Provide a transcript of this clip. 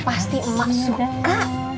pasti emak suka